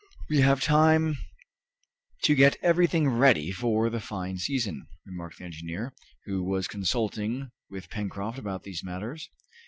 "We have time to get everything ready for the fine season," remarked the engineer, who was consulting with Pencroft about these matters.